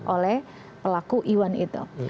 oleh pelaku iwan ito